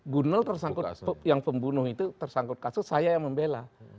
bunel yang terangkut kasus saya yang membela